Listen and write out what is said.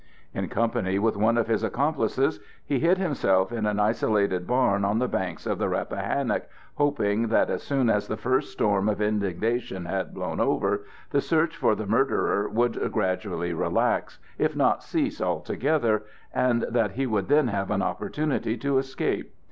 In company with one of his accomplices he hid himself in an isolated barn on the banks of the Rappahannock, hoping that as soon as the first storm of indignation had blown over, the search for the murderer would gradually relax, if not cease altogether, and that he would then have an opportunity to escape.